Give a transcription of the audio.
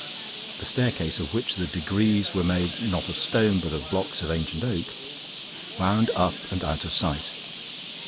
The staircase, of which the degrees were made not of stone but of blocks of ancient oak, wound up and out of sight.